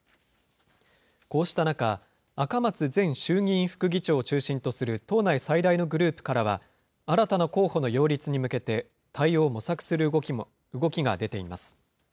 こうした中、赤松前衆議院副議長を中心とする党内最大のグループからは、新たな候補の擁立に向けて、対応を模索する動きが出ています。